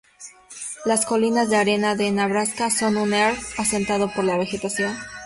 Las Colinas de Arena de Nebraska son un "erg" asentado por la vegetación.